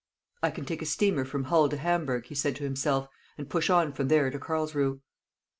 "I can take a steamer from Hull to Hamburg," he said to himself, "and push on from there to Carlsruhe."